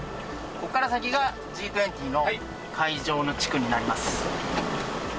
ここから先がＧ２０の会場の地区になります。